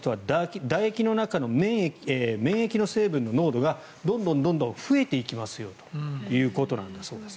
人はだ液の中の免疫の成分の濃度がどんどん増えていきますよということなんだそうです。